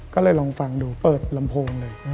ก็เลยลองฟังดูเปิดลำโพงเลย